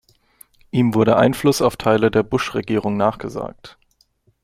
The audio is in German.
Ihm wurde Einfluss auf Teile der Bush-Regierung nachgesagt.